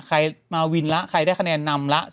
ใครมาวินแล้วใครได้คะแนนนำละ